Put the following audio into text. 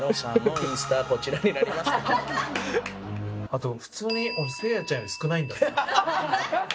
あと普通に俺せいやちゃんより少ないんだって思った。